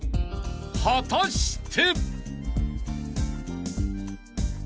［果たして？］